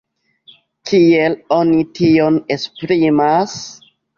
Kiel oni tion esprimas?